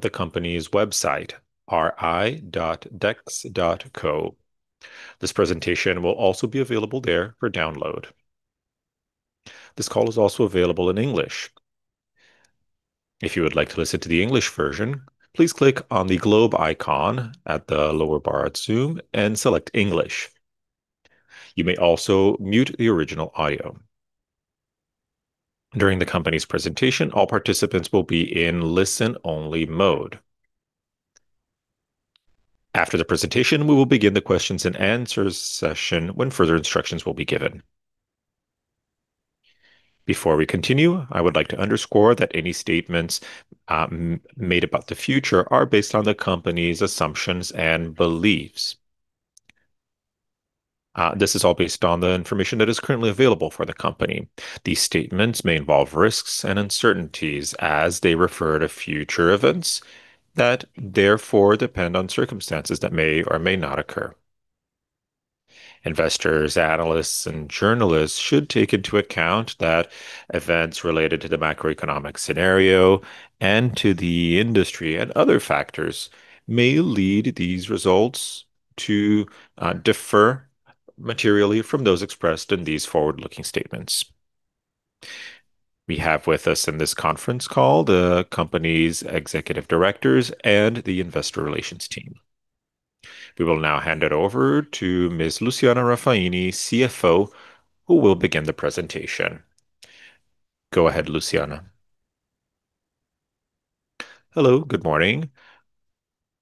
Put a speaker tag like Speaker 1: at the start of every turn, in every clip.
Speaker 1: The company's website, ri.dex.co. This presentation will also be available there for download. This call is also available in English. If you would like to listen to the English version, please click on the globe icon at the lower bar at Zoom and select English. You may also mute the original audio. During the company's presentation, all participants will be in listen-only mode. After the presentation, we will begin the questions and answers session when further instructions will be given. Before we continue, I would like to underscore that any statements made about the future are based on the company's assumptions and beliefs. This is all based on the information that is currently available for the company. These statements may involve risks and uncertainties as they refer to future events that therefore depend on circumstances that may or may not occur. Investors, analysts, and journalists should take into account that events related to the macroeconomic scenario and to the industry and other factors may lead these results to differ materially from those expressed in these forward-looking statements. We have with us in this conference call the company's executive directors and the investor relations team. We will now hand it over to Ms. Lucianna Raffaini, CFO, who will begin the presentation. Go ahead, Luciana.
Speaker 2: Hello. Good morning.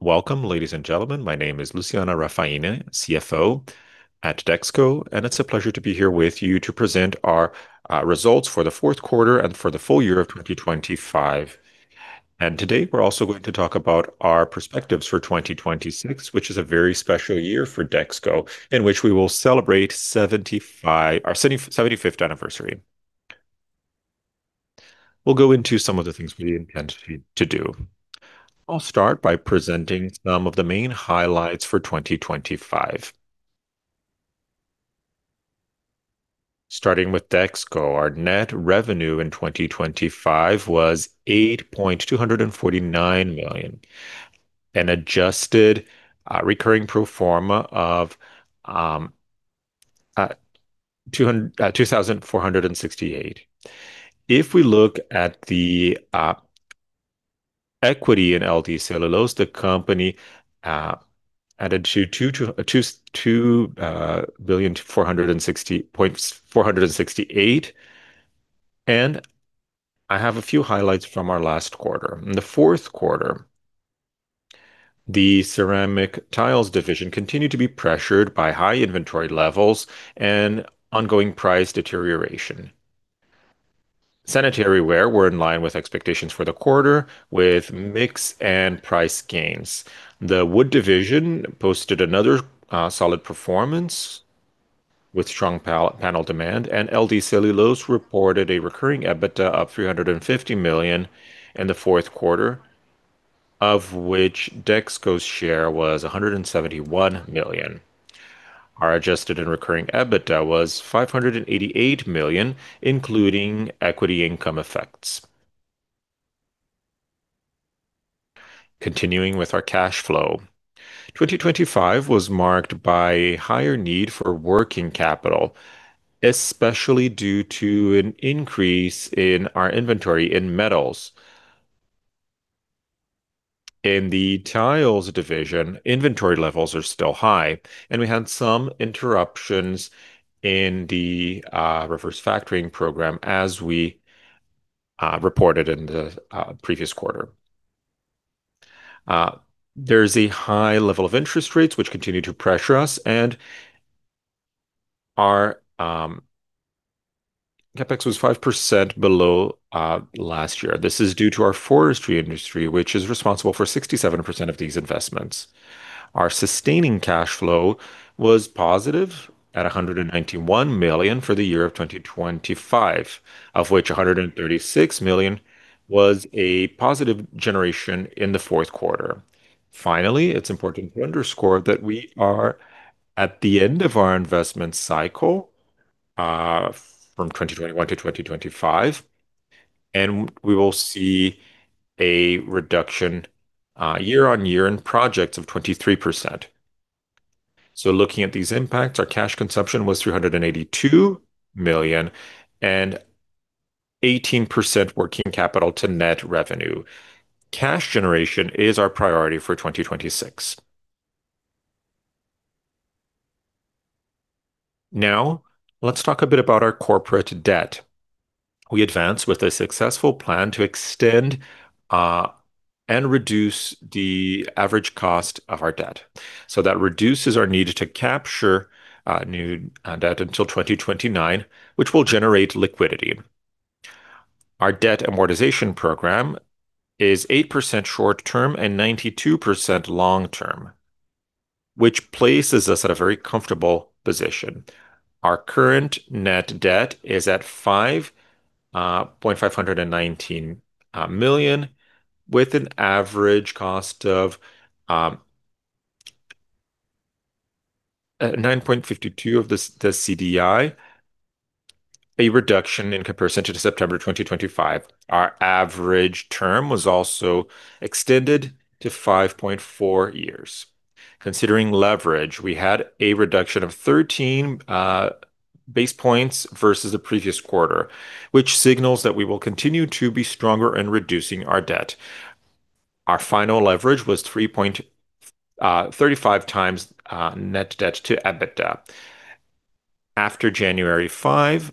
Speaker 2: Welcome, ladies and gentlemen. My name is Lucianna Raffaini, CFO at Dexco, and it's a pleasure to be here with you to present our results for the fourth quarter and for the full year of 2025. Today, we're also going to talk about our perspectives for 2026, which is a very special year for Dexco, in which we will celebrate our 75th anniversary. We'll go into some of the things we intend to do. I'll start by presenting some of the main highlights for 2025. Starting with Dexco, our net revenue in 2025 was 8.249 million, an adjusted recurring pro forma of 2,468. If we look at the equity in LD Celulose, the company added 2.468 billion. I have a few highlights from our last quarter. In the fourth quarter, the ceramic tiles division continued to be pressured by high inventory levels and ongoing price deterioration. Sanitary ware were in line with expectations for the quarter with mix and price gains. The wood division posted another solid performance with strong panel demand. LD Celulose reported a recurring EBITDA of 350 million in the fourth quarter, of which Dexco's share was 171 million. Our adjusted and recurring EBITDA was 588 million, including equity income effects. Continuing with our cash flow. 2025 was marked by higher need for working capital, especially due to an increase in our inventory in metals. In the tiles division, inventory levels are still high. We had some interruptions in the reverse factoring program as we reported in the previous quarter. There's a high level of interest rates which continue to pressure us and our CapEx was 5% below last year. This is due to our forestry industry, which is responsible for 67% of these investments. Our sustaining cash flow was positive at 191 million for the year of 2025, of which 136 million was a positive generation in the fourth quarter. It's important to underscore that we are at the end of our investment cycle, from 2021-2025, and we will see a reduction year-on-year in projects of 23%. Looking at these impacts, our cash consumption was 382 million and 18% working capital to net revenue. Cash generation is our priority for 2026. Let's talk a bit about our corporate debt. We advanced with a successful plan to extend and reduce the average cost of our debt. That reduces our need to capture new debt until 2029, which will generate liquidity. Our debt amortization program is 8% short term and 92% long term, which places us at a very comfortable position. Our current net debt is at 519 million, with an average cost of 9.52% of the CDI, a reduction in comparison to September 2025. Our average term was also extended to five point four years. Considering leverage, we had a reduction of 13 basis points versus the previous quarter, which signals that we will continue to be stronger in reducing our debt. Our final leverage was 3.35x net debt to EBITDA. After January 5,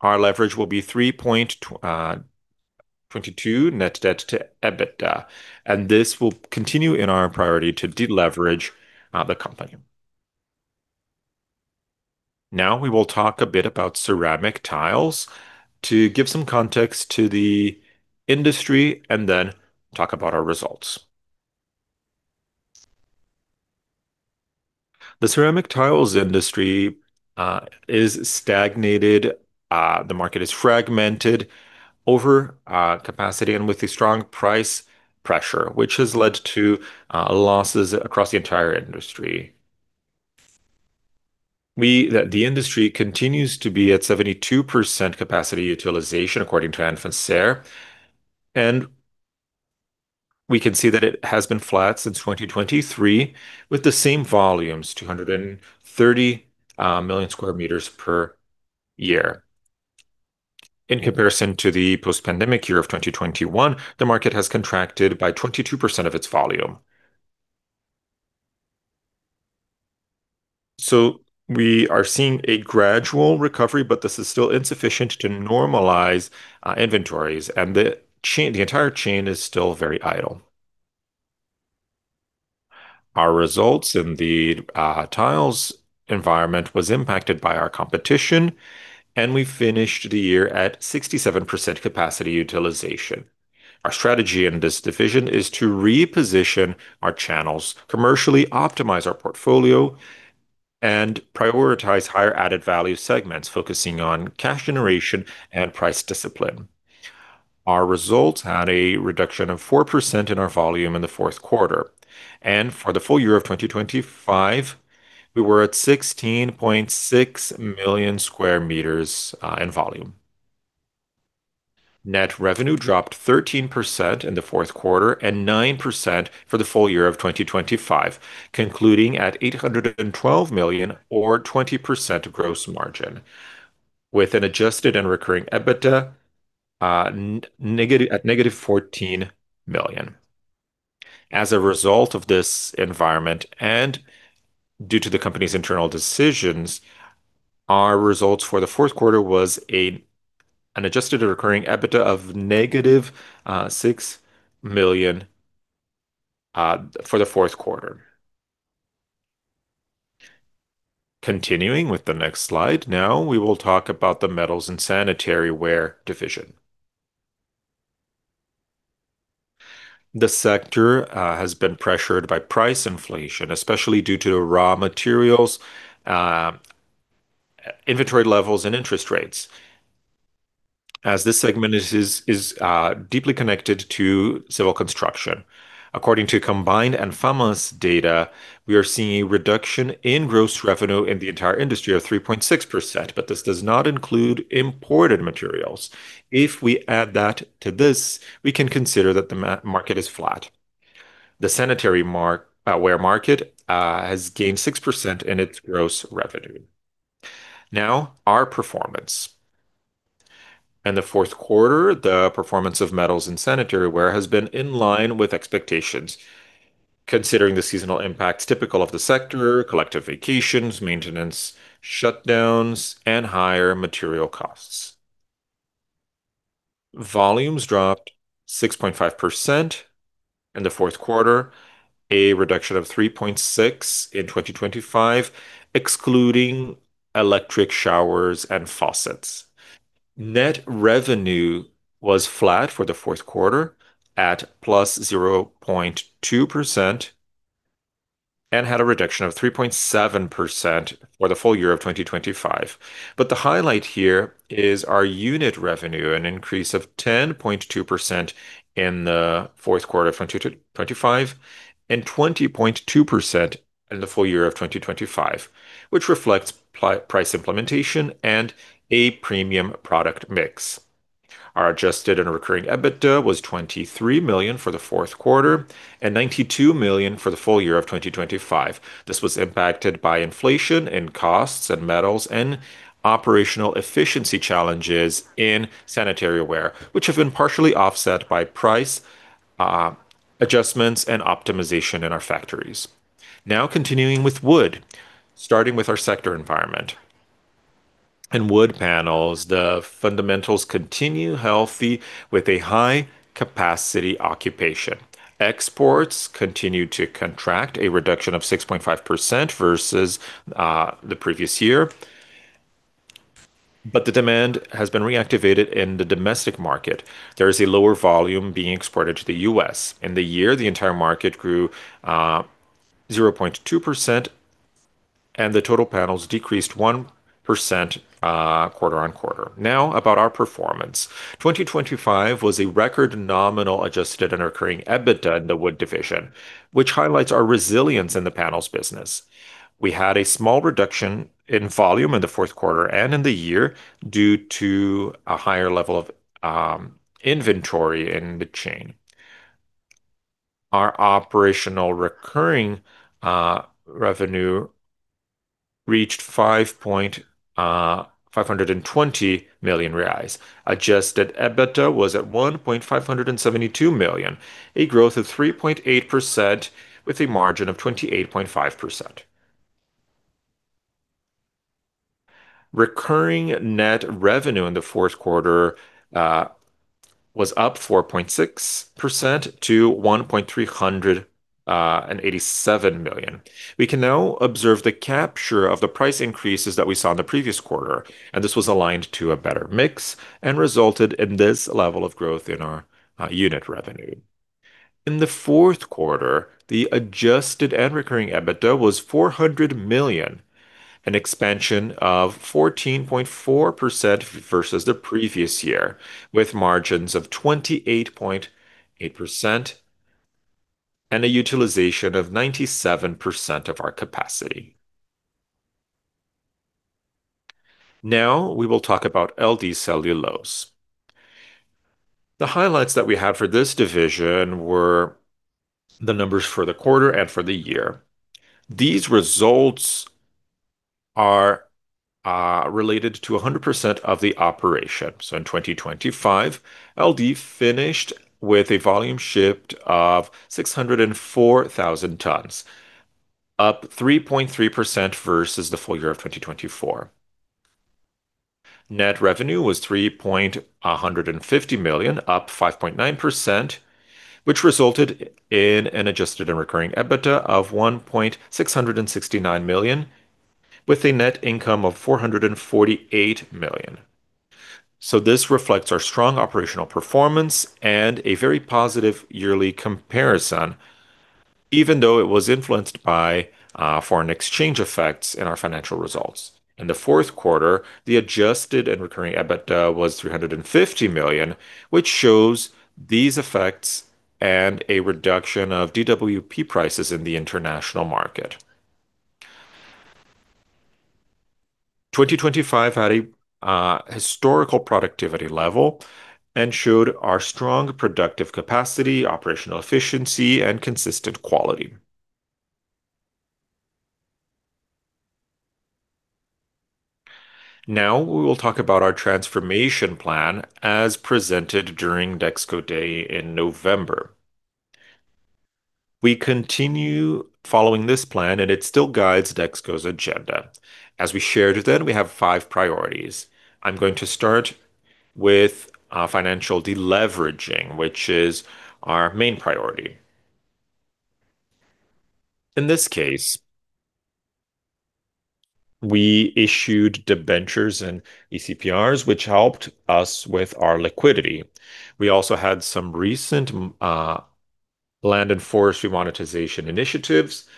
Speaker 2: our leverage will be 3.22x net debt to EBITDA, and this will continue in our priority to deleverage the company. We will talk a bit about ceramic tiles to give some context to the industry and then talk about our results. The ceramic tiles industry is stagnated. The market is fragmented over capacity and with a strong price pressure, which has led to losses across the entire industry. The industry continues to be at 72% capacity utilization according to Anfacer, and we can see that it has been flat since 2023 with the same volumes, 230 million m² per year. In comparison to the post-pandemic year of 2021, the market has contracted by 22% of its volume. We are seeing a gradual recovery, but this is still insufficient to normalize inventories and the entire chain is still very idle. Our results in the tiles environment was impacted by our competition. We finished the year at 67% capacity utilization. Our strategy in this division is to reposition our channels commercially, optimize our portfolio, and prioritize higher added value segments, focusing on cash generation and price discipline. Our results had a reduction of 4% in our volume in the fourth quarter. For the full year of 2025, we were at 16.6 million m² in volume. Net revenue dropped 13% in the fourth quarter and 9% for the full year of 2025, concluding at 812 million or 20% gross margin with an adjusted and recurring EBITDA at -14 million. As a result of this environment and due to the company's internal decisions, our results for the fourth quarter was an adjusted and recurring EBITDA of -6 million for the fourth quarter. Now we will talk about the metals and sanitary ware division. The sector has been pressured by price inflation, especially due to raw materials, inventory levels and interest rates, as this segment is deeply connected to civil construction. According to combined ANFAMAS data, we are seeing a reduction in gross revenue in the entire industry of 3.6%, this does not include imported materials. If we add that to this, we can consider that the market is flat. The sanitary ware market has gained 6% in its gross revenue. Our performance. In the fourth quarter, the performance of metals and sanitary ware has been in line with expectations, considering the seasonal impacts typical of the sector, collective vacations, maintenance shutdowns, and higher material costs. Volumes dropped 6.5% in the fourth quarter, a reduction of 3.6% in 2025, excluding electric showers and faucets. Net revenue was flat for the fourth quarter at +0.2% and had a reduction of 3.7% for the full year of 2025. The highlight here is our unit revenue, an increase of 10.2% in the fourth quarter of 2025 and 20.2% in the full year of 2025, which reflects price implementation and a premium product mix. Our adjusted and recurring EBITDA was 23 million for the fourth quarter and 92 million for the full year of 2025. This was impacted by inflation and costs in metals and operational efficiency challenges in sanitary ware, which have been partially offset by price adjustments and optimization in our factories. Continuing with wood, starting with our sector environment. In wood panels, the fundamentals continue healthy with a high capacity occupation. Exports continue to contract, a reduction of 6.5% versus the previous year, the demand has been reactivated in the domestic market. There is a lower volume being exported to the U.S. In the year, the entire market grew 0.2%, the total panels decreased 1% quarter-on-quarter. About our performance. 2025 was a record nominal adjusted and recurring EBITDA in the Wood Division, which highlights our resilience in the panels business. We had a small reduction in volume in the fourth quarter and in the year due to a higher level of inventory in the chain. Our operational recurring revenue reached 5,520 million reais. Adjusted EBITDA was at 1.572 million, a growth of 3.8% with a margin of 28.5%. Recurring net revenue in the fourth quarter was up 4.6% to 1.387 million. We can now observe the capture of the price increases that we saw in the previous quarter. This was aligned to a better mix and resulted in this level of growth in our unit revenue. In the fourth quarter, the adjusted and recurring EBITDA was 400 million, an expansion of 14.4% versus the previous year, with margins of 28.8% and a utilization of 97% of our capacity. We will talk about LD Celulose. The highlights that we had for this division were the numbers for the quarter and for the year. These results are related to 100% of the operation. In 2025, LD finished with a volume shipped of 604,000 tons, up 3.3% versus the full year of 2024. Net revenue was 3.150 million, up 5.9%, which resulted in an adjusted and recurring EBITDA of 1.669 million, with a net income of 448 million. This reflects our strong operational performance and a very positive yearly comparison, even though it was influenced by foreign exchange effects in our financial results. In the fourth quarter, the adjusted and recurring EBITDA was 350 million, which shows these effects and a reduction of DWP prices in the international market. 2025 had a historical productivity level and showed our strong productive capacity, operational efficiency, and consistent quality. We will talk about our transformation plan as presented during Dexco Day in November. We continue following this plan, and it still guides Dexco's agenda. As we shared then, we have five priorities. I'm going to start with financial deleveraging, which is our main priority. In this case, we issued debentures and ECPRs, which helped us with our liquidity. We also had some recent land and forestry monetization initiatives.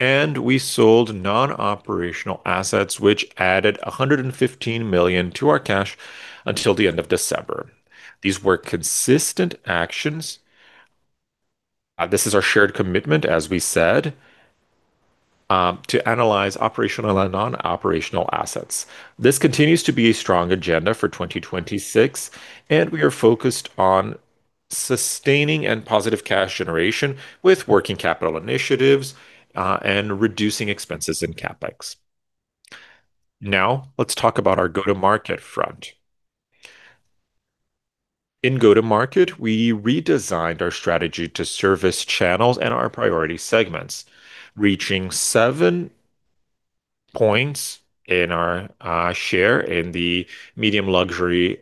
Speaker 2: We sold non-operational assets, which added 115 million to our cash until the end of December. These were consistent actions. This is our shared commitment, as we said, to analyze operational and non-operational assets. This continues to be a strong agenda for 2026, and we are focused on sustaining and positive cash generation with working capital initiatives and reducing expenses in CapEx. Let's talk about our go-to-market front. In go-to-market, we redesigned our strategy to service channels and our priority segments, reaching seven points in our share in the medium luxury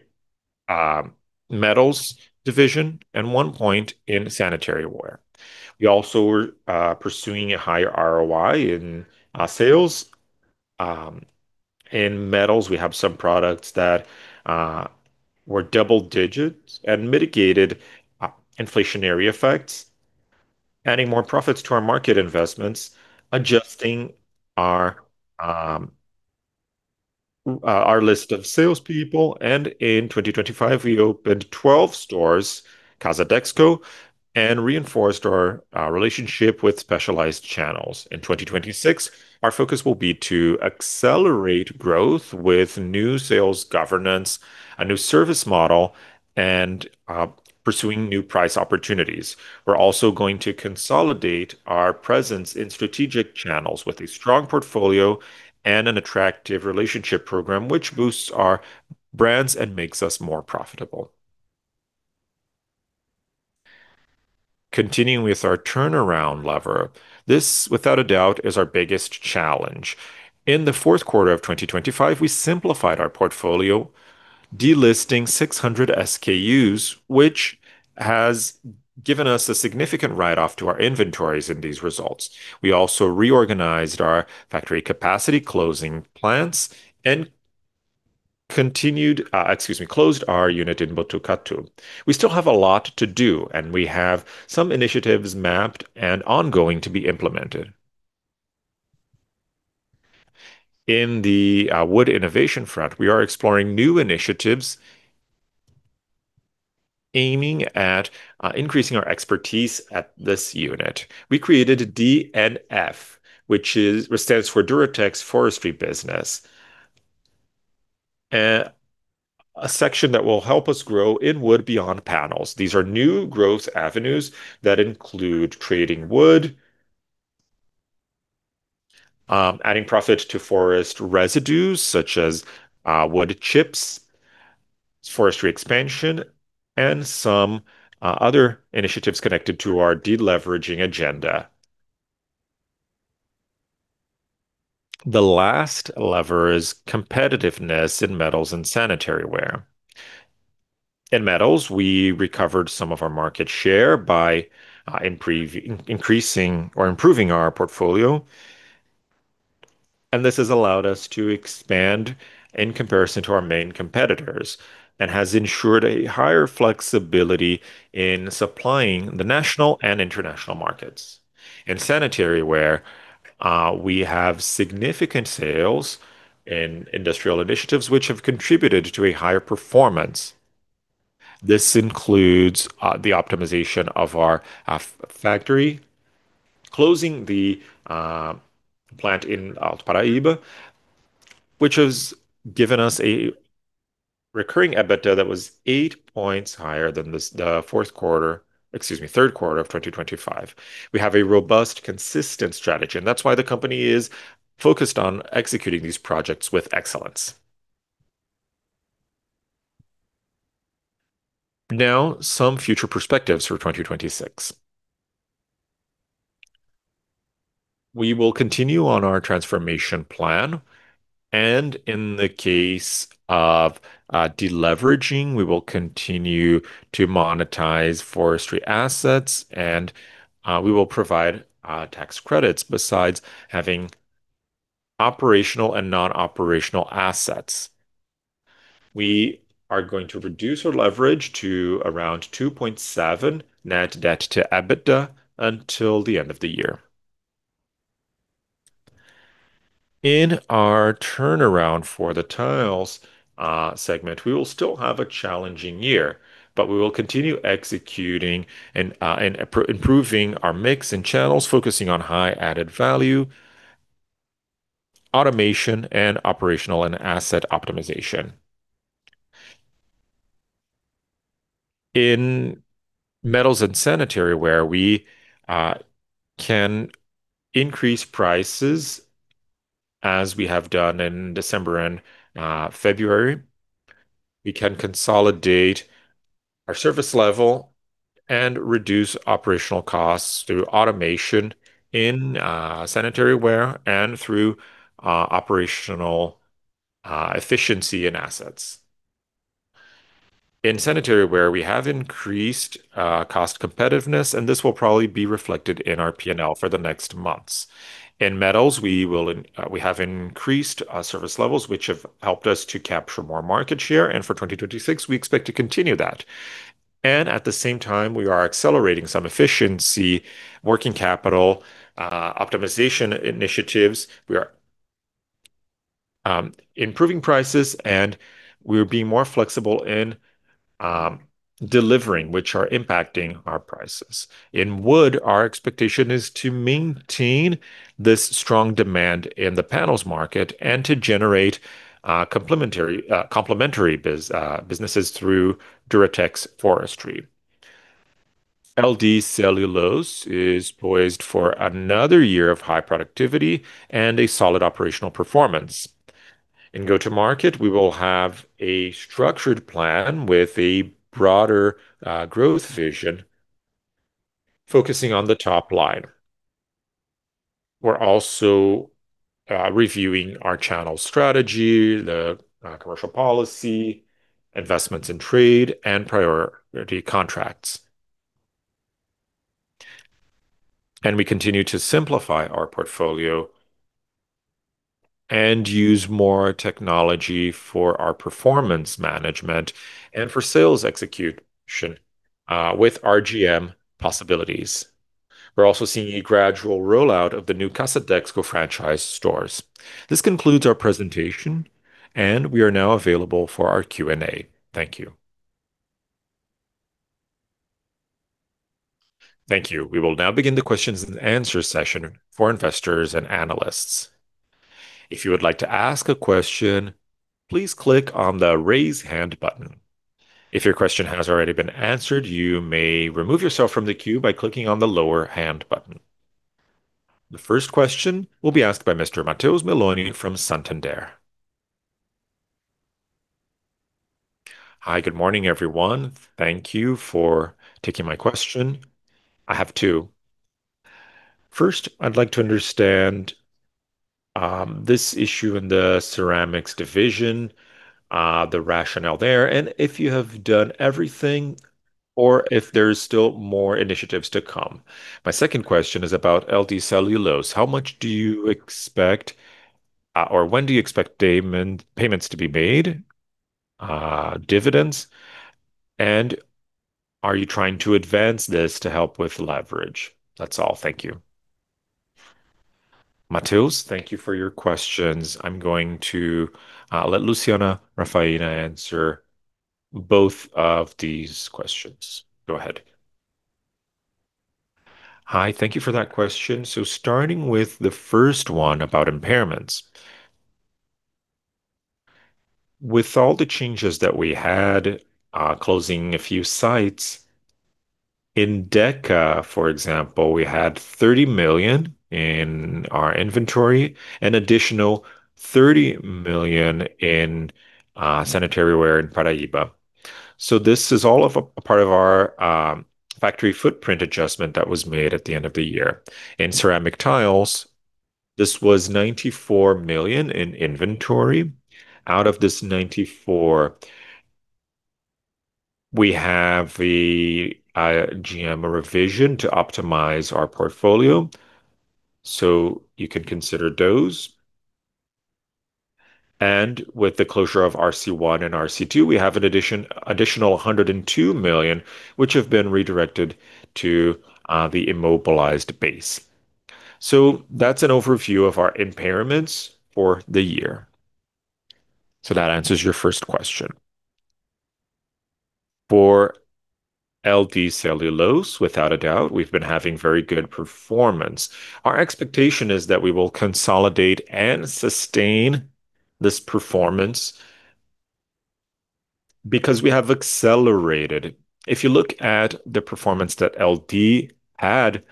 Speaker 2: metals division and one point in sanitary ware. We also were pursuing a higher ROI in our sales. In metals, we have some products that were double digits and mitigated inflationary effects, adding more profits to our market investments, adjusting our list of salespeople. In 2025, we opened 12 stores, Casa Dexco, and reinforced our relationship with specialized channels. In 2026, our focus will be to accelerate growth with new sales governance, a new service model, and pursuing new price opportunities. We're also going to consolidate our presence in strategic channels with a strong portfolio and an attractive relationship program which boosts our brands and makes us more profitable. Continuing with our turnaround lever, this, without a doubt, is our biggest challenge. In the fourth quarter of 2025, we simplified our portfolio, delisting 600 SKUs, which has given us a significant write-off to our inventories in these results. We also reorganized our factory capacity, closing plants, excuse me, closed our unit in Botucatu. We still have a lot to do. We have some initiatives mapped and ongoing to be implemented. In the wood innovation front, we are exploring new initiatives aiming at increasing our expertise at this unit. We created DNF, which stands for Duratex Forestry Business. A section that will help us grow in wood beyond panels. These are new growth avenues that include trading wood, adding profit to forest residues such as wood chips, forestry expansion, and some other initiatives connected to our de-leveraging agenda. The last lever is competitiveness in metals and sanitary ware. In metals, we recovered some of our market share by increasing or improving our portfolio. This has allowed us to expand in comparison to our main competitors and has ensured a higher flexibility in supplying the national and international markets. In sanitary ware, we have significant sales in industrial initiatives which have contributed to a higher performance. This includes the optimization of our factory, closing the plant in Paraíba, which has given us a recurring EBITDA that was eight points higher than the third quarter of 2025. We have a robust, consistent strategy, that's why the company is focused on executing these projects with excellence. Now some future perspectives for 2026. We will continue on our transformation plan, in the case of de-leveraging, we will continue to monetize forestry assets, we will provide tax credits besides having operational and non-operational assets. We are going to reduce our leverage to around 2.7 net debt to EBITDA until the end of the year. In our turnaround for the tiles segment, we will still have a challenging year. We will continue executing and improving our mix and channels, focusing on high added value, automation, and operational and asset optimization. In metals and sanitary ware, we can increase prices as we have done in December and February. We can consolidate our service level and reduce operational costs through automation in sanitary ware and through operational efficiency in assets. In sanitary ware, we have increased cost competitiveness, and this will probably be reflected in our P&L for the next months. In metals, we have increased service levels, which have helped us to capture more market share, and for 2026 we expect to continue that. At the same time, we are accelerating some efficiency working capital optimization initiatives. We are improving prices and we're being more flexible in delivering, which are impacting our prices. In wood, our expectation is to maintain this strong demand in the panels market and to generate complementary businesses through Duratex Forestry. LD Celulose is poised for another year of high productivity and a solid operational performance. In go-to-market, we will have a structured plan with a broader growth vision focusing on the top line. We're also reviewing our channel strategy, the commercial policy, investments in trade and priority contracts. We continue to simplify our portfolio and use more technology for our performance management and for sales execution with RGM possibilities. We're also seeing a gradual rollout of the new Casa Dexco franchise stores. This concludes our presentation, and we are now available for our Q&A. Thank you.
Speaker 1: Thank you. We will now begin the questions and answers session for investors and analysts. If you would like to ask a question, please click on the Raise Hand button. If your question has already been answered, you may remove yourself from the queue by clicking on the Lower Hand button. The first question will be asked by Mr. Matheus Meloni from Santander.
Speaker 3: Hi, good morning, everyone. Thank you for taking my question. I have two. First, I'd like to understand this issue in the ceramics division, the rationale there, and if you have done everything or if there's still more initiatives to come. My second question is about LD Celulose. How much do you expect, or when do you expect payments to be made, dividends? Are you trying to advance this to help with leverage? That's all. Thank you.
Speaker 4: Matheus, thank you for your questions. I'm going to let Lucianna Raffaini answer both of these questions. Go ahead.
Speaker 2: Hi. Thank you for that question. Starting with the first one about impairments. With all the changes that we had, closing a few sites, in Deca, for example, we had 30 million in our inventory, an additional 30 million in sanitary ware in Paraíba. This is all part of our factory footprint adjustment that was made at the end of the year. In ceramic tiles, this was 94 million in inventory. Out of this 94, we have a GM revision to optimize our portfolio. You can consider those. With the closure of RC1 and RC2, we have an additional 102 million, which have been redirected to the immobilized base. That's an overview of our impairments for the year. That answers your first question. For LD Celulose, without a doubt, we've been having very good performance. Our expectation is that we will consolidate and sustain this performance because we have accelerated. If you look at the performance that LD had,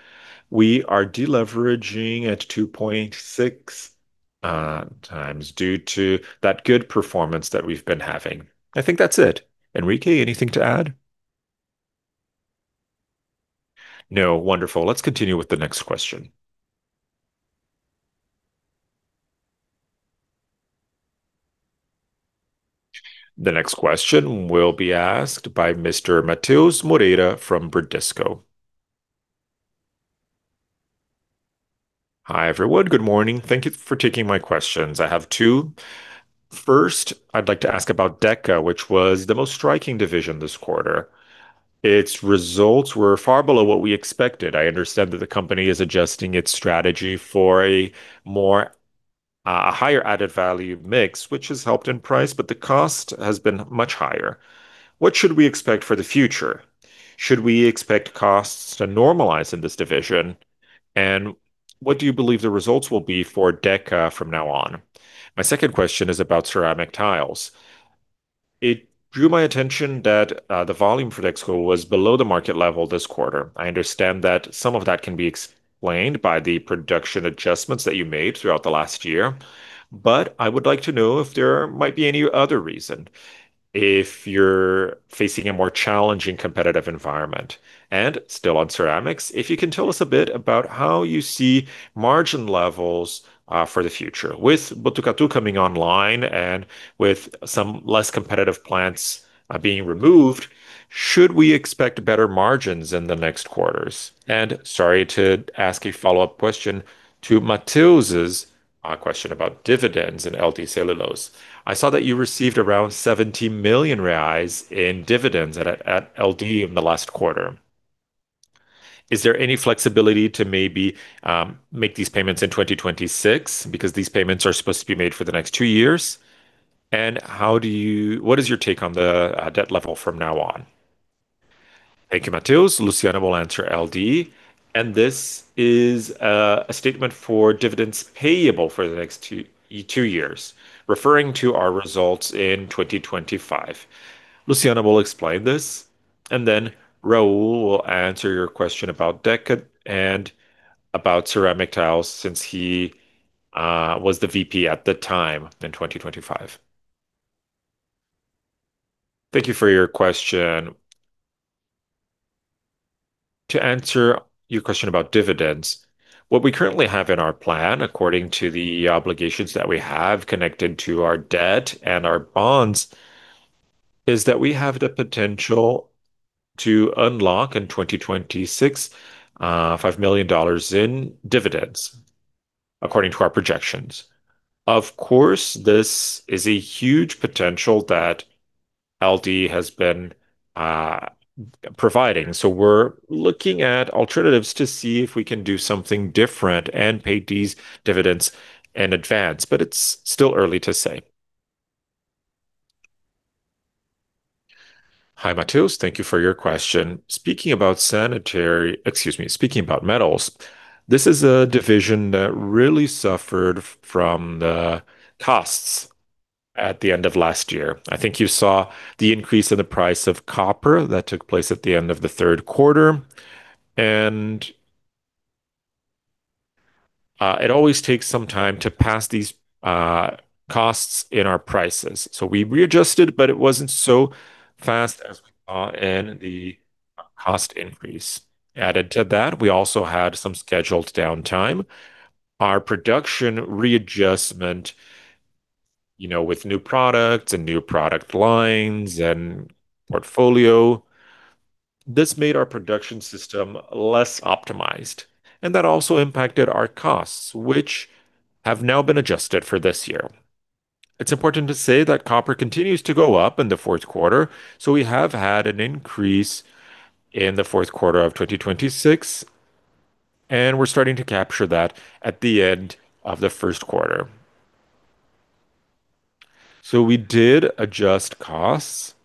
Speaker 2: we are deleveraging at 2.6x due to that good performance that we've been having.
Speaker 4: I think that's it. Henrique, anything to add?
Speaker 5: No.
Speaker 4: Wonderful. Let's continue with the next question.
Speaker 1: The next question will be asked by Mr. Matheus Moreira from Bradesco.
Speaker 6: Hi, everyone. Good morning. Thank you for taking my questions. I have two. First, I'd like to ask about Deca, which was the most striking division this quarter. Its results were far below what we expected. I understand that the company is adjusting its strategy for a more, a higher added value mix, which has helped in price, but the cost has been much higher. What should we expect for the future? Should we expect costs to normalize in this division? What do you believe the results will be for Deca from now on? My second question is about ceramic tiles. It drew my attention that the volume for next quarter was below the market level this quarter. I understand that some of that can be explained by the production adjustments that you made throughout the last year, but I would like to know if there might be any other reason, if you're facing a more challenging competitive environment. Still on ceramics, if you can tell us a bit about how you see margin levels for the future. With Botucatu coming online and with some less competitive plants being removed, should we expect better margins in the next quarters? Sorry to ask a follow-up question to Matheus's question about dividends in LD Celulose. I saw that you received around 70 million reais in dividends at LD in the last quarter. Is there any flexibility to maybe make these payments in 2026? These payments are supposed to be made for the next two years. How do you what is your take on the debt level from now on?
Speaker 4: Thank you, Matheus. Luciana will answer LD, this is a statement for dividends payable for the next two years, referring to our results in 2025. Luciana will explain this, then Raul will answer your question about Deca and about ceramic tiles since he was the VP at the time in 2025.
Speaker 2: Thank you for your question. To answer your question about dividends, what we currently have in our plan, according to the obligations that we have connected to our debt and our bonds, is that we have the potential to unlock in 2026, $5 million in dividends according to our projections. Of course, this is a huge potential that LD has been providing, so we're looking at alternatives to see if we can do something different and pay these dividends in advance, but it's still early to say.
Speaker 7: Hi, Matheus. Thank you for your question. Excuse me. Speaking about metals, this is a division that really suffered from the costs at the end of last year. I think you saw the increase in the price of copper that took place at the end of the third quarter. It always takes some time to pass these costs in our prices. We readjusted, but it wasn't so fast as we saw in the cost increase. Added to that, we also had some scheduled owntime. Our production readjustment. You know, with new products and new product lines and portfolio this made our production system less optimized, and that also impacted our costs, which have now been adjusted for this year. It's important to say that copper continues to go up in the fourth quarter. We have had an increase in the fourth quarter of 2026, and we're starting to capture that at the end of the first quarter. We did adjust costs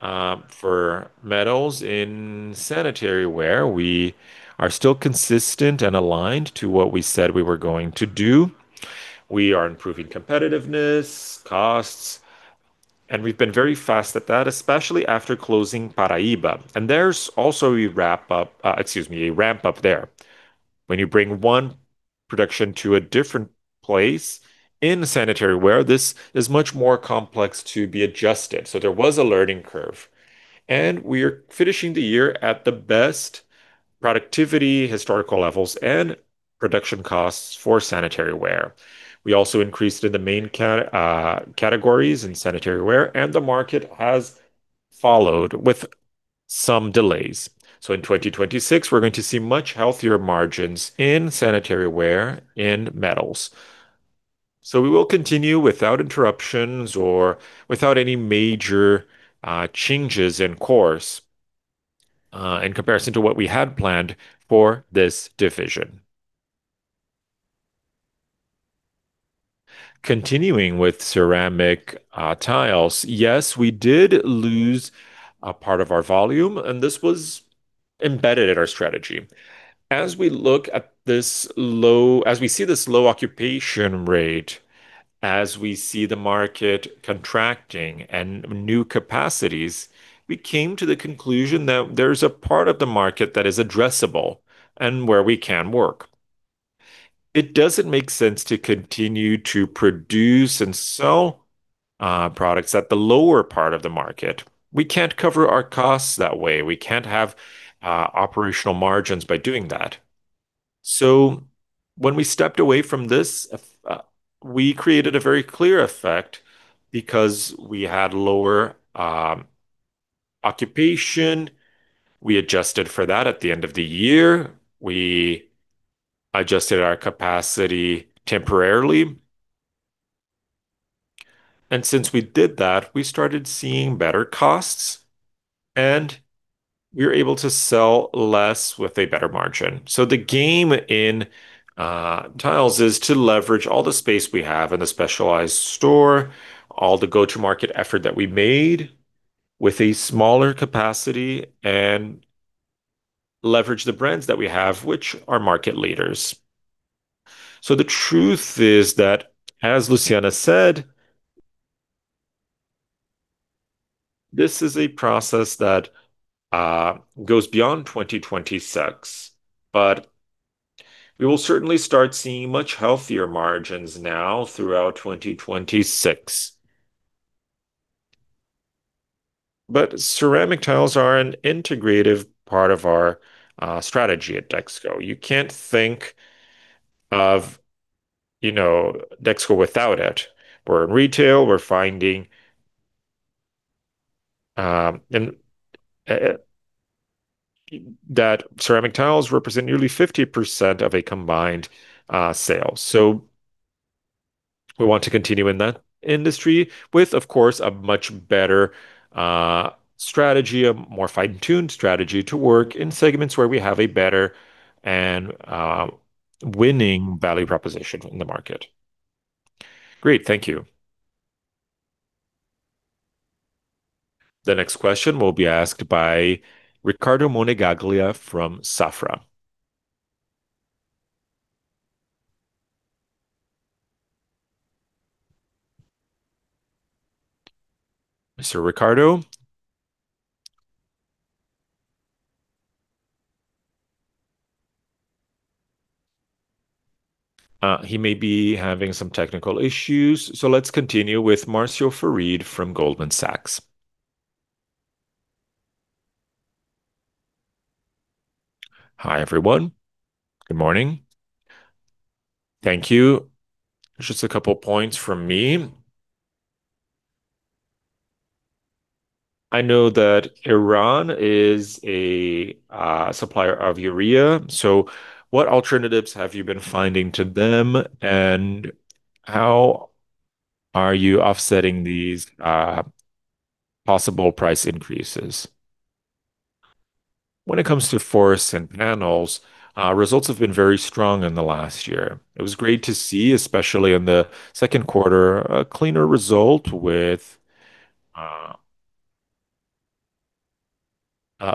Speaker 7: for metals in sanitary ware. We are still consistent and aligned to what we said we were going to do. We are improving competitiveness, costs, and we've been very fast at that, especially after closing Paraíba. There's also a ramp up there. When you bring one production to a different place in sanitary ware, this is much more complex to be adjusted. There was a learning curve, and we are finishing the year at the best productivity, historical levels, and production costs for sanitary ware. We also increased in the main categories in sanitary ware, and the market has followed with some delays. In 2026 we're going to see much healthier margins in sanitary ware in metals. We will continue without interruptions or without any major changes in course in comparison to what we had planned for this division. Continuing with ceramic tiles. Yes, we did lose a part of our volume, and this was embedded in our strategy. As we look at this low as we see this low occupation rate, as we see the market contracting and new capacities, we came to the conclusion that there's a part of the market that is addressable and where we can work. It doesn't make sense to continue to produce and sell products at the lower part of the market. We can't cover our costs that way. We can't have operational margins by doing that. When we stepped away from this, we created a very clear effect because we had lower occupation. We adjusted for that at the end of the year. We adjusted our capacity temporarily. Since we did that, we started seeing better costs, and we were able to sell less with a better margin. The game in tiles is to leverage all the space we have in the specialized store, all the go-to-market effort that we made with a smaller capacity and leverage the brands that we have, which are market leaders. The truth is that, as Luciana said, this is a process that goes beyond 2026, but we will certainly start seeing much healthier margins now throughout 2026. Ceramic tiles are an integrative part of our strategy at Dexco. You can't think of, you know, Dexco without it. We're in retail. We're finding that ceramic tiles represent nearly 50% of a combined sale. We want to continue in that industry with, of course, a much better strategy, a more fine-tuned strategy to work in segments where we have a better and winning value proposition in the market.
Speaker 6: Great. Thank you.
Speaker 1: The next question will be asked by Ricardo Monegaglia from Safra. Mr. Ricardo? He may be having some technical issues, so let's continue with Marcio Farid from Goldman Sachs.
Speaker 8: Hi, everyone. Good morning. Thank you. Just a couple points from me. I know that Iran is a supplier of urea. What alternatives have you been finding to them, and how are you offsetting these possible price increases? When it comes to forests and panels, results have been very strong in the last year. It was great to see, especially in the second quarter, a cleaner result with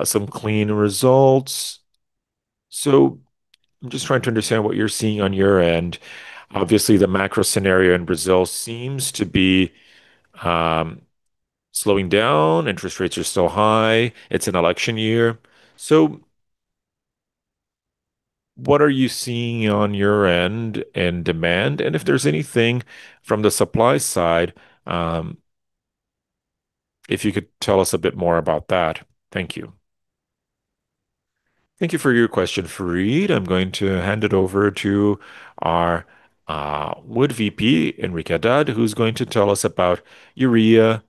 Speaker 8: some clean results. I'm just trying to understand what you're seeing on your end. Obviously, the macro scenario in Brazil seems to be slowing down. Interest rates are still high. It's an election year. What are you seeing on your end in demand? If there's anything from the supply side, if you could tell us a bit more about that. Thank you.
Speaker 4: Thank you for your question, Farid. I'm going to hand it over to our wood VP, Henrique Haddad, who's going to tell us about urea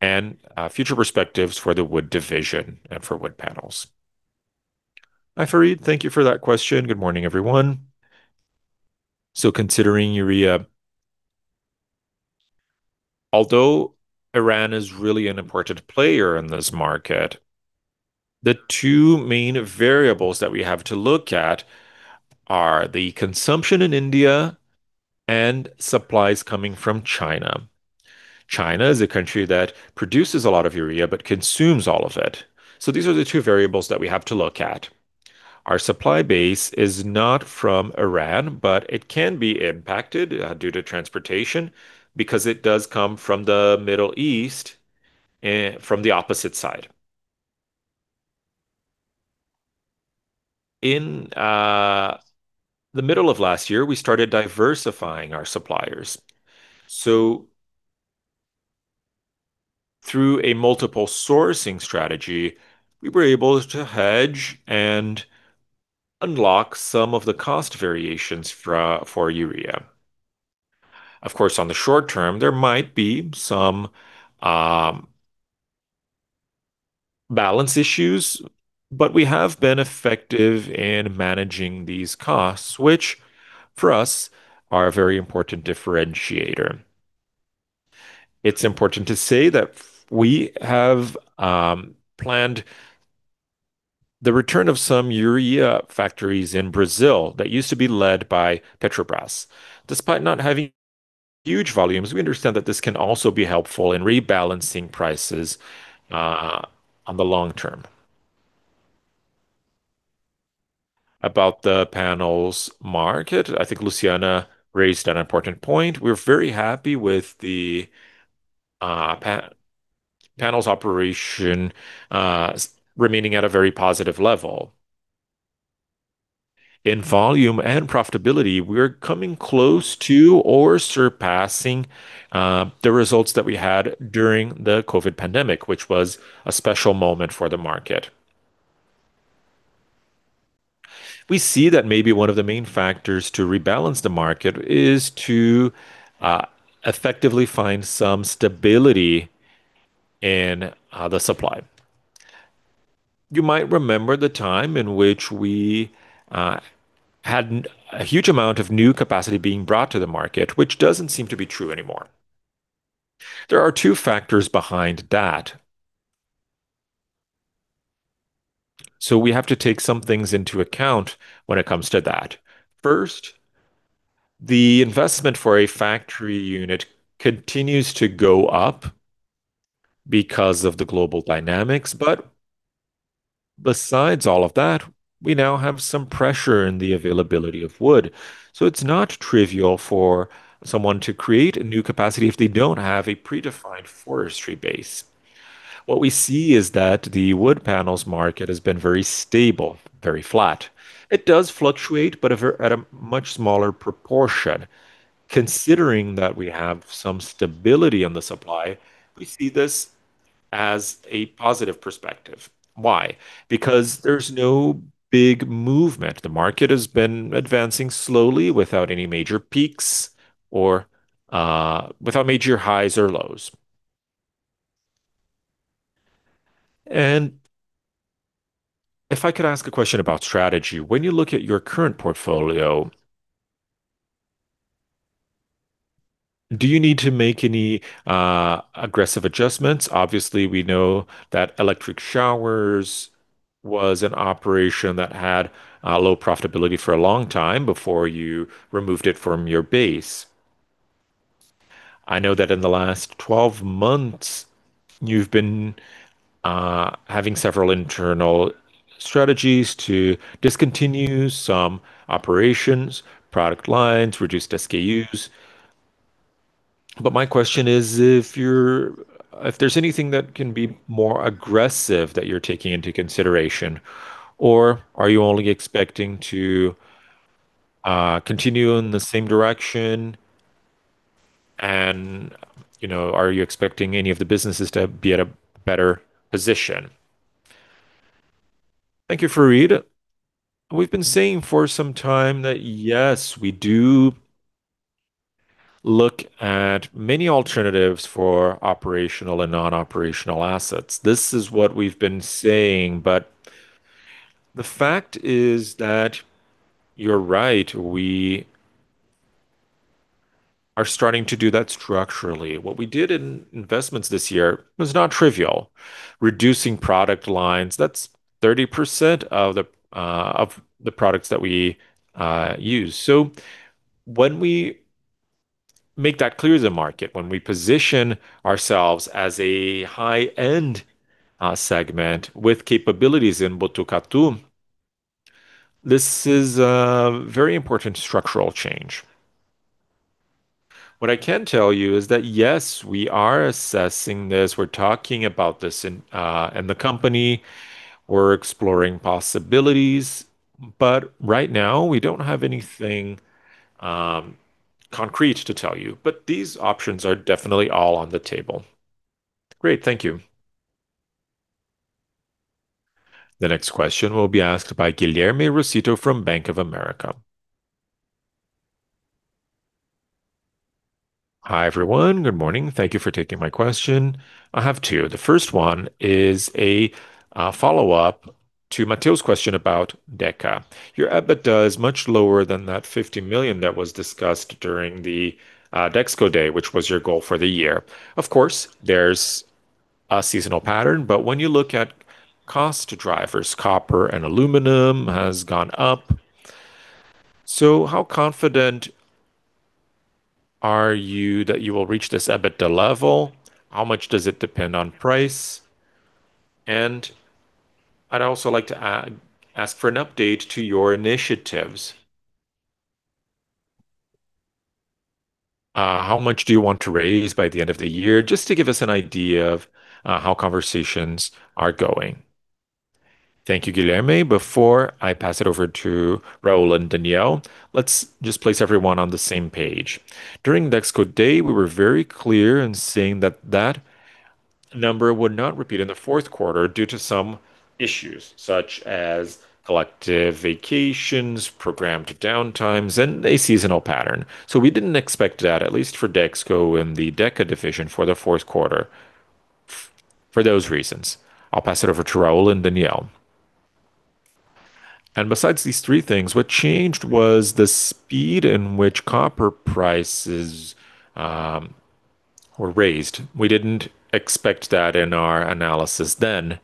Speaker 4: and future perspectives for the wood division and for wood panels.
Speaker 5: Hi, Farid. Thank you for that question. Good morning, everyone. Considering urea, although Iran is really an important player in this market, the two main variables that we have to look at are the consumption in India and supplies coming from China. China is a country that produces a lot of urea but consumes all of it. These are the two variables that we have to look at. Our supply base is not from Iran, but it can be impacted due to transportation because it does come from the Middle East and from the opposite side. In the middle of last year, we started diversifying our suppliers. Through a multiple sourcing strategy, we were able to hedge and unlock some of the cost variations for urea. Of course, on the short term, there might be some balance issues, but we have been effective in managing these costs, which for us are a very important differentiator. It's important to say that we have planned the return of some urea factories in Brazil that used to be led by Petrobras. Despite not having huge volumes, we understand that this can also be helpful in rebalancing prices on the long term. About the panels market, I think Luciana raised an important point. We're very happy with the panels operation remaining at a very positive level. In volume and profitability, we're coming close to or surpassing the results that we had during the COVID pandemic, which was a special moment for the market. We see that maybe one of the main factors to rebalance the market is to effectively find some stability in the supply. You might remember the time in which we had a huge amount of new capacity being brought to the market, which doesn't seem to be true anymore. There are two factors behind that. We have to take some things into account when it comes to that. First, the investment for a factory unit continues to go up because of the global dynamics. Besides all of that, we now have some pressure in the availability of wood. It's not trivial for someone to create a new capacity if they don't have a predefined forestry base. What we see is that the wood panels market has been very stable, very flat. It does fluctuate, but at a much smaller proportion. Considering that we have some stability on the supply, we see this as a positive perspective. Why? Because there's no big movement. The market has been advancing slowly without any major peaks or without major highs or lows.
Speaker 8: If I could ask a question about strategy. When you look at your current portfolio, do you need to make any aggressive adjustments? Obviously, we know that electric showers was an operation that had low profitability for a long time before you removed it from your base. I know that in the last 12 months you've been having several internal strategies to discontinue some operations, product lines, reduced SKUs. My question is if there's anything that can be more aggressive that you're taking into consideration, or are you only expecting to continue in the same direction and, you know, are you expecting any of the businesses to be at a better position?
Speaker 5: Thank you, Farid. We've been saying for some time that, yes, we do look at many alternatives for operational and non-operational assets. This is what we've been saying. The fact is that you're right. We are starting to do that structurally. What we did in investments this year was not trivial. Reducing product lines, that's 30% of the products that we use. When we make that clear to the market, when we position ourselves as a high-end segment with capabilities in Botucatu, this is a very important structural change. What I can tell you is that, yes, we are assessing this. We're talking about this in the company. We're exploring possibilities, but right now we don't have anything concrete to tell you. These options are definitely all on the table.
Speaker 8: Great. Thank you.
Speaker 1: The next question will be asked by Guilherme Rosito from Bank of America.
Speaker 9: Hi, everyone. Good morning. Thank you for taking my question. I have two. The first one is a follow-up to Matheus question about Deca. Your EBITDA is much lower than that 50 million that was discussed during the Dexco Day, which was your goal for the year. Of course, there's a seasonal pattern, but when you look at cost drivers, copper and aluminum has gone up. How confident are you that you will reach this EBITDA level? How much does it depend on price? I'd also like to ask for an update to your initiatives. How much do you want to raise by the end of the year? Just to give us an idea of how conversations are going.
Speaker 4: Thank you, Guilherme. Before I pass it over to Raul and Daniel, let's just place everyone on the same page. During Dexco Day, we were very clear in saying that that number would not repeat in the fourth quarter due to some issues such as collective vacations, programmed downtimes, and a seasonal pattern. We didn't expect that, at least for Dexco and the Deca division for the fourth quarter for those reasons. I'll pass it over to Raul and Daniel.
Speaker 7: Besides these three things, what changed was the speed in which copper prices were raised. We didn't expect that in our analysis then.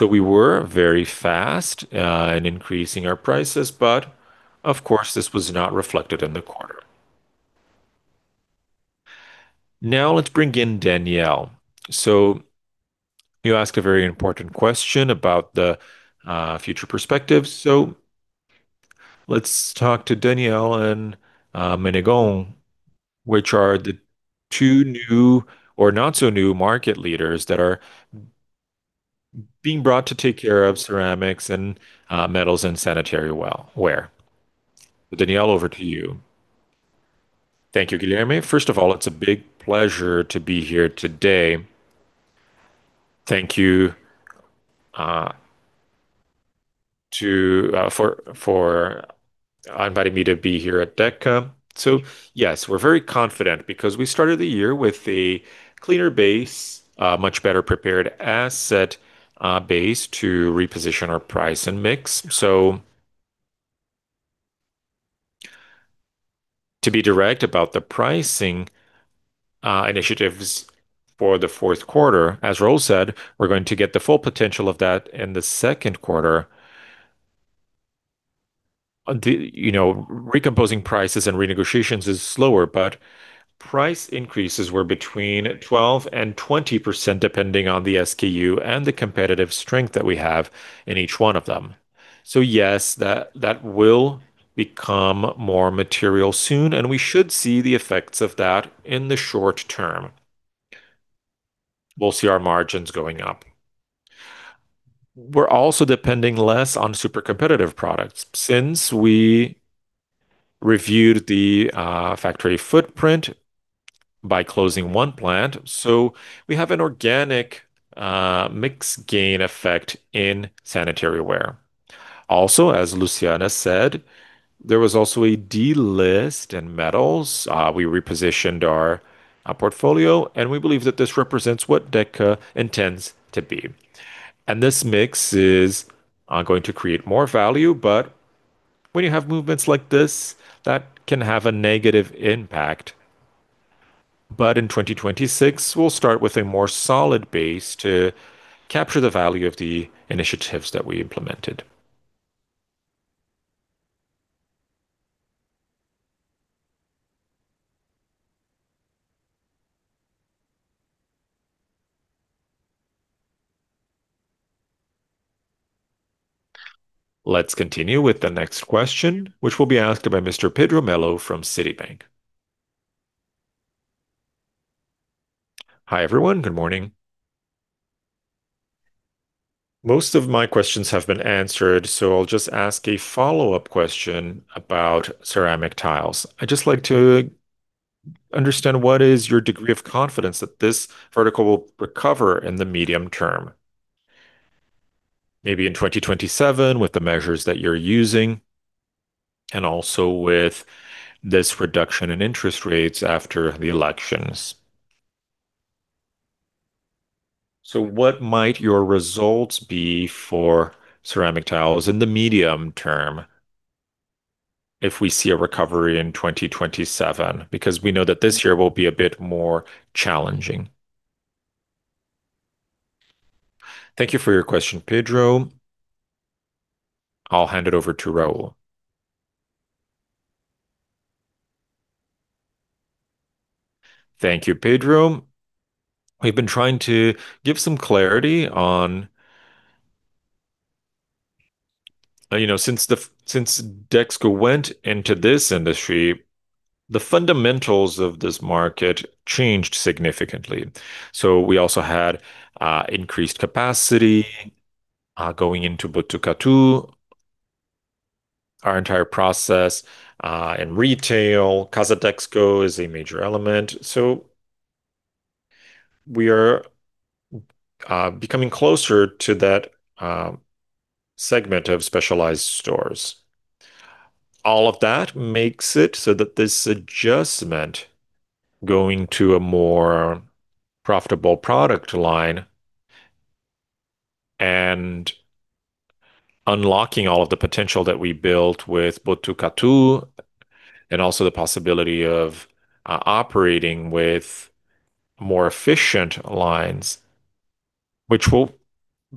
Speaker 7: We were very fast in increasing our prices, but of course, this was not reflected in the quarter. Now let's bring in Daniel. You ask a very important question about the future perspective. Let's talk to Daniel and [Menegon], which are the two new or not so new market leaders that are being brought to take care of ceramics and metals and sanitary ware. Daniel, over to you.
Speaker 10: Thank you, Guilherme. First of all, it's a big pleasure to be here today. Thank you for inviting me to be here at Deca. Yes, we're very confident because we started the year with a cleaner base, a much better prepared asset base to reposition our price and mix. To be direct about the pricing initiatives for the fourth quarter, as Raul said, we're going to get the full potential of that in the second quarter. You know, recomposing prices and renegotiations is slower, but price increases were between 12% and 20%, depending on the SKU and the competitive strength that we have in each one of them. Yes, that will become more material soon, and we should see the effects of that in the short term. We'll see our margins going up. We're also depending less on super competitive products since we reviewed the factory footprint by closing one plant. We have an organic mix gain effect in sanitary ware. As Luciana said, there was also a delist in metals. We repositioned our portfolio, and we believe that this represents what Deca intends to be. This mix is going to create more value, but when you have movements like this, that can have a negative impact. In 2026, we'll start with a more solid base to capture the value of the initiatives that we implemented.
Speaker 1: Let's continue with the next question, which will be asked by Mr. Pedro Melo from Citibank.
Speaker 11: Hi, everyone. Good morning. Most of my questions have been answered, I'll just ask a follow-up question about ceramic tiles. I'd just like to understand what is your degree of confidence that this vertical will recover in the medium term, maybe in 2027 with the measures that you're using, and also with this reduction in interest rates after the elections. What might your results be for ceramic tiles in the medium term if we see a recovery in 2027? We know that this year will be a bit more challenging.
Speaker 4: Thank you for your question, Pedro. I'll hand it over to Raul.
Speaker 7: Thank you, Pedro. We've been trying to give some clarity on since Dexco went into this industry, the fundamentals of this market changed significantly. We also had increased capacity going into Botucatu. Our entire process in retail, Casa Dexco is a major element. We are becoming closer to that segment of specialized stores. All of that makes it so that this adjustment going to a more profitable product line and unlocking all of the potential that we built with Botucatu, and also the possibility of operating with more efficient lines, which will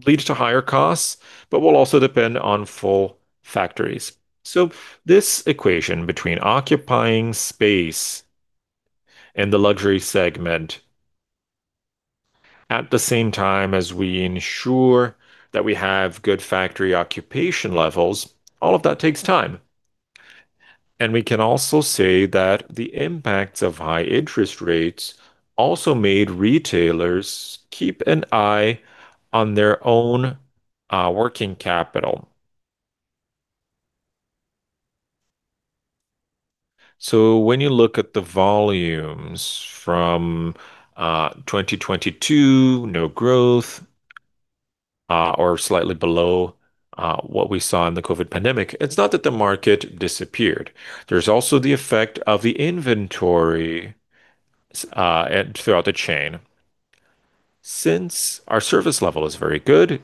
Speaker 7: lead to higher costs, but will also depend on full factories. This equation between occupying space and the luxury segment at the same time as we ensure that we have good factory occupation levels, all of that takes time. We can also say that the impacts of high interest rates also made retailers keep an eye on their own working capital. When you look at the volumes from 2022, no growth, or slightly below what we saw in the COVID pandemic, it's not that the market disappeared. There's also the effect of the inventory and throughout the chain. Since our service level is very good,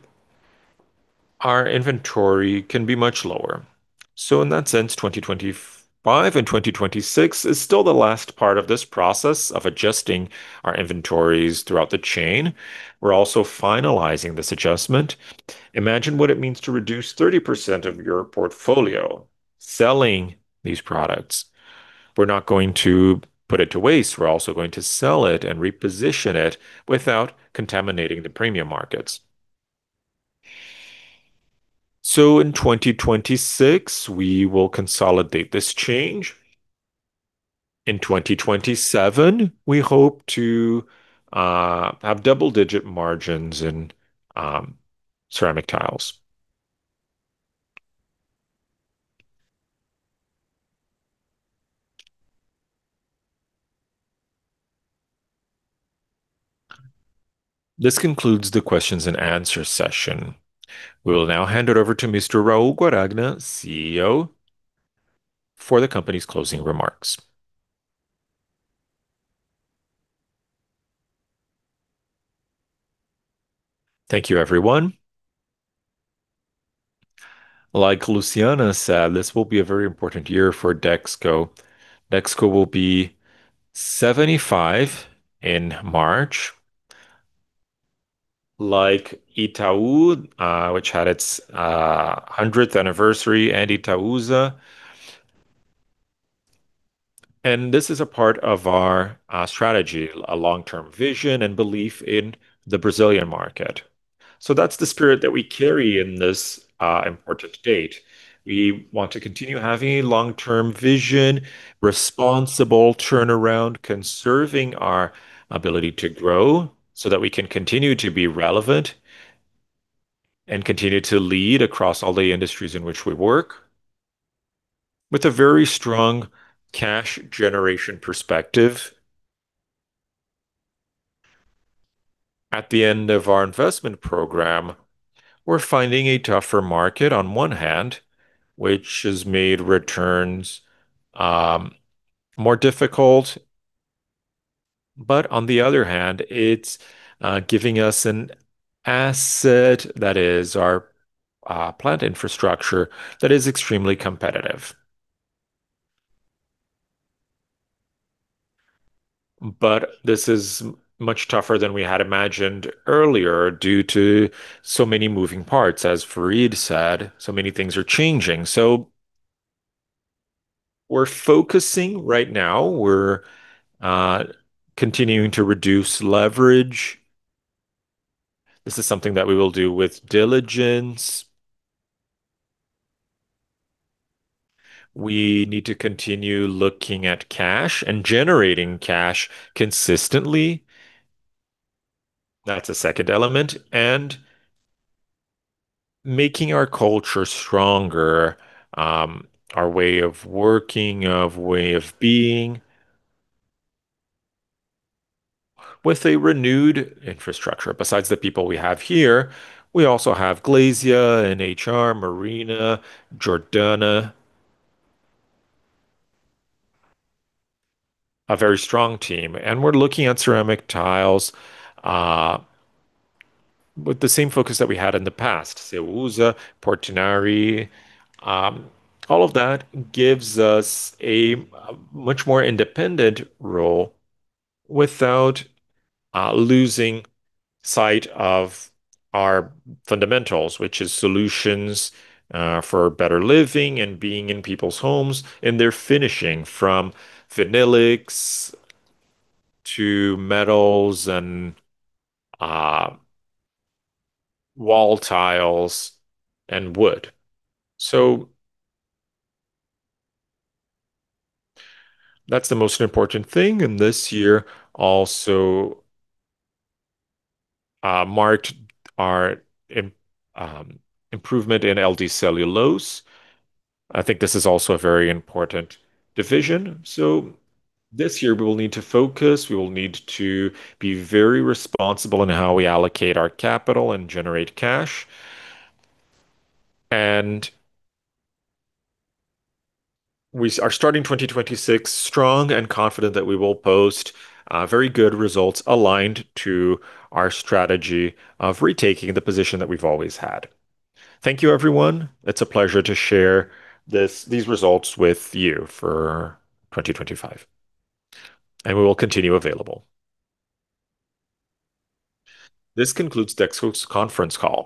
Speaker 7: our inventory can be much lower. In that sense, 2025 and 2026 is still the last part of this process of adjusting our inventories throughout the chain. We're also finalizing this adjustment. Imagine what it means to reduce 30% of your portfolio selling these products. We're not going to put it to waste. We're also going to sell it and reposition it without contaminating the premium markets. In 2026, we will consolidate this change. In 2027, we hope to have double-digit margins in ceramic tiles.
Speaker 1: This concludes the questions and answer session. We will now hand it over to Mr. Raul Guaragna, CEO, for the company's closing remarks.
Speaker 7: Thank you, everyone. Like Luciana said, this will be a very important year for Dexco. Dexco will be 75 in March, like Itaú, which had its 100th anniversary, and Itaúsa. This is a part of our strategy, a long-term vision and belief in the Brazilian market. That's the spirit that we carry in this important date. We want to continue having a long-term vision, responsible turnaround, conserving our ability to grow so that we can continue to be relevant and continue to lead across all the industries in which we work with a very strong cash generation perspective. At the end of our investment program, we're finding a tougher market on one hand, which has made returns more difficult. On the other hand, it's giving us an asset that is our plant infrastructure that is extremely competitive. This is much tougher than we had imagined earlier due to so many moving parts. As Farid said, so many things are changing. We're focusing right now. We're continuing to reduce leverage. This is something that we will do with diligence. We need to continue looking at cash and generating cash consistently. That's a second element. Making our culture stronger, our way of working, our way of being with a renewed infrastructure. Besides the people we have here, we also have Glaucia in HR, Marina, Jordana. A very strong team. We're looking at ceramic tiles with the same focus that we had in the past. Itaúsa, Portinari, all of that gives us a much more independent role without losing sight of our fundamentals, which is solutions for better living and being in people's homes, and they're finishing from Vinilex to metals and wall tiles and wood. That's the most important thing. This year also marked our improvement in LD Celulose. I think this is also a very important division. This year, we will need to focus. We will need to be very responsible in how we allocate our capital and generate cash. We are starting 2026 strong and confident that we will post very good results aligned to our strategy of retaking the position that we've always had. Thank you, everyone. It's a pleasure to share these results with you for 2025, and we will continue available.
Speaker 1: This concludes Dexco's conference call.